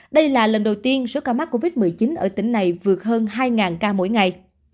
đây là lần đầu tiên số ca mắc covid một mươi chín ở tỉnh này vượt hơn hai ca mỗi ngày